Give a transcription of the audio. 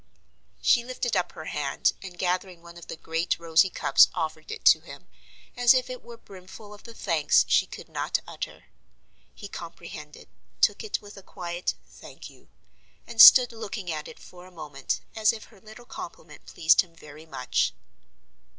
She lifted up her hand, and gathering one of the great rosy cups offered it to him, as if it were brimful of the thanks she could not utter. He comprehended, took it with a quiet "Thank you," and stood looking at it for a moment, as if her little compliment pleased him very much.